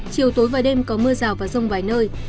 chiều tối và đêm có mưa rào và rông vài nơi